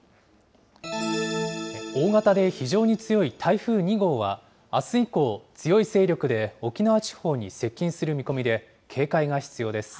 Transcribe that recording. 大型で非常に強い台風２号は、あす以降、強い勢力で沖縄地方に接近する見込みで、警戒が必要です。